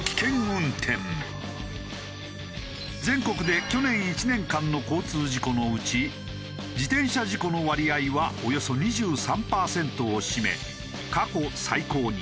全国で去年１年間の交通事故のうち自転車事故の割合はおよそ２３パーセントを占め過去最高に。